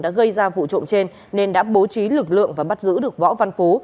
đã gây ra vụ trộm trên nên đã bố trí lực lượng và bắt giữ được võ văn phú